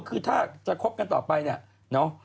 คือถ้าจะคบกันต่อไปเนี่ยเนาะ